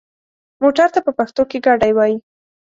موټر ته په پښتو کې ګاډی وايي.